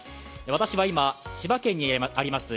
私は今、千葉県にあります